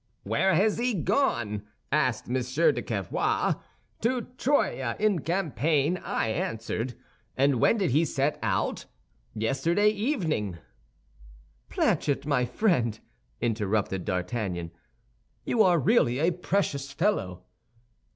"'Where has he gone?' asked Monsieur de Cavois. "'To Troyes, in Champagne,' I answered. "'And when did he set out?' "'Yesterday evening.'" "Planchet, my friend," interrupted D'Artagnan, "you are really a precious fellow."